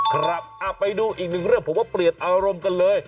ครับไปดูอีกหนึ่งเรื่องผมว่าเปลี่ยนอารมณ์กันเลย